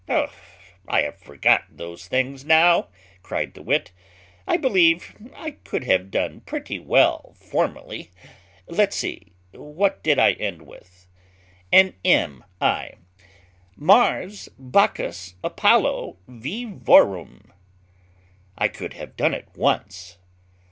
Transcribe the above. "I have forgot those things now," cried the wit. "I believe I could have done pretty well formerly. Let's see, what did I end with? an M again aye "'Mars, Bacchus, Apollo, virorum.' I could have done it once."